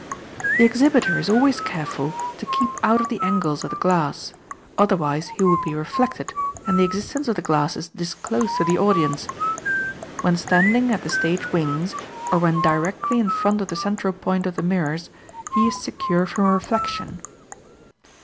The exhibitor is always careful to keep out of the angles of the glass, otherwise he would be reflected, and the existence of the glasses disclosed to the audience. When standing at the stage "wings," or when directly in front of the central "point" of the mirrors, he is secure from reflection.